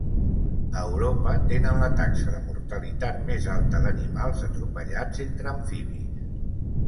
A Europa tenen la taxa de mortalitat més alta d'animals atropellats entre amfibis.